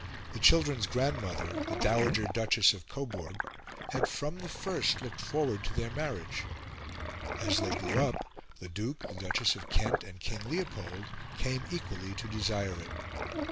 The children's grandmother, the Dowager Duchess of Coburg, had from the first looked forward to their marriage, as they grew up, the Duke, the Duchess of Kent, and King Leopold came equally to desire it.